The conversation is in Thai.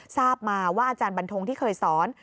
ทราบมาว่าอาจารย์บันทงที่เคยสอน